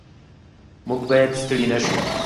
موږ باید ستړي نه شو.